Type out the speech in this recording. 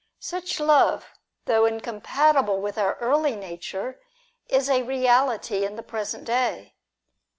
Such love, though incompatible with our early nature, is a reality in the present day.